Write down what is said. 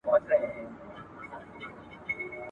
چي اغږلی یې د شر تخم په ذات دی ..